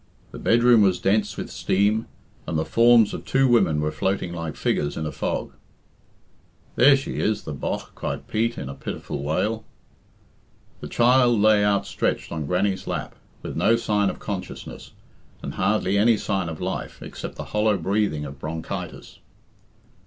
The bedroom was dense with steam, and the forms of two women were floating like figures in a fog. "There she is, the bogh," cried Pete in a pitiful wail. The child lay outstretched on Grannie's lap, with no sign of consciousness, and hardly any sign of life, except the hollow breathing of bronchitis.